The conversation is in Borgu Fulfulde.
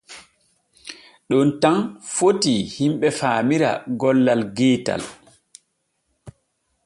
Ɗon tan fitii himɓe faamira gollal geetal.